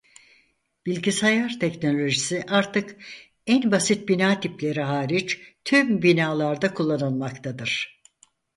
Bilgisayar teknolojisi artık en basit bina tipleri hariç tüm binalarda kullanılmaktadır.